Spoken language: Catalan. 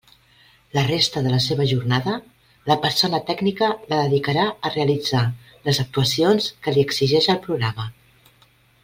La resta de la seva jornada, la persona tècnica la dedicarà a realitzar les actuacions que li exigeix el programa.